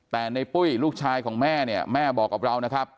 แต่ในปุ้ยลูกชายของแม่เนี่ยแม่บอกกับเรานะครับ